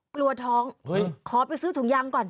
กลัวท้องขอไปซื้อถุงยางก่อน